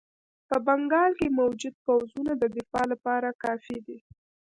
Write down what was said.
په بنګال کې موجود پوځونه د دفاع لپاره کافي دي.